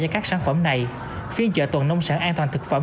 cho các sản phẩm này phiên chợ tuần nông sản an toàn thực phẩm